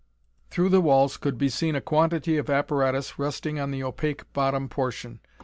Through the walls could be seen a quantity of apparatus resting on the opaque bottom portion.